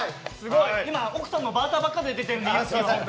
今、奥さんのバーターばっかりで出てるので。